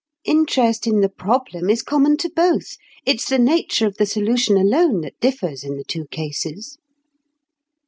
Interest in the problem is common to both; it's the nature of the solution alone that differs in the two cases."